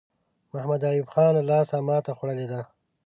محمد ایوب خان له لاسه ماته خوړلې ده.